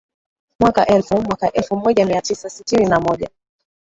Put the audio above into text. mwaka elfu mwaka elfu moja mia tisa sitini na moja